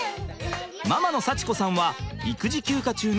ママの幸子さんは育児休暇中の保育士。